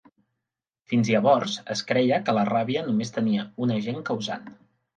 Fins llavors, es creia que la ràbia només tenia un agent causant.